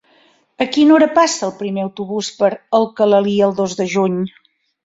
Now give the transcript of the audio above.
A quina hora passa el primer autobús per Alcalalí el dos de juny?